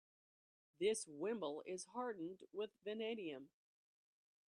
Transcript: This wimble is hardened with vanadium.